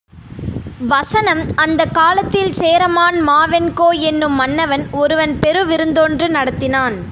வசனம் அந்தக் காலத்தில் சேரமான் மாவெண்கோ என்னும் மன்னனன் ஒருவன் பெருவிருந்தொன்று நடத்தினான்.